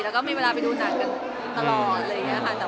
แล้วก็มีเวลาไปดูหนังกันตลอดอะไรอย่างนี้ค่ะ